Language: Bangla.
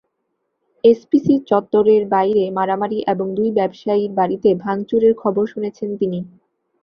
এসপিসি চত্বরের বাইরে মারামারি এবং দুই ব্যবসায়ীর বাড়িতে ভাঙচুরের খবর শুনেছেন তিনি।